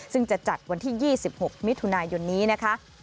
ซึ่งจะจัดวันที่๒๖มิถุนายนนี้นะคะ